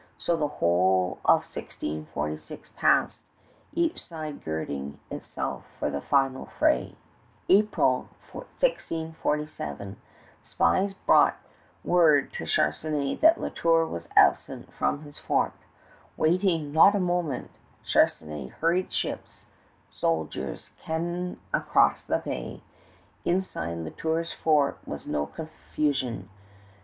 So the whole of 1646 passed, each side girding itself for the final fray. April, 1647, spies brought word to Charnisay that La Tour was absent from his fort. Waiting not a moment, Charnisay hurried ships, soldiers, cannon across the bay. Inside La Tour's fort was no confusion.